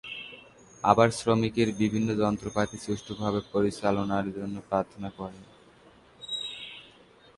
আবার শ্রমিকেরা বিভিন্ন যন্ত্রপাতি সুষ্ঠুভাবে পরিচালনার জন্য প্রার্থনা করে।